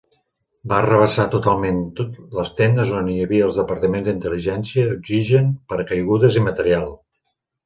Va arrabassar totalment les tendes on hi havia els departaments d'intel·ligència, oxigen, paracaigudes i material.